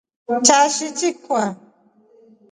Chashi chikwa.